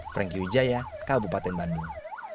franky widjaya kabupaten bandung